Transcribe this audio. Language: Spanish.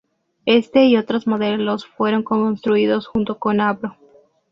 Éste y otros modelos fueron construidos junto con Avro.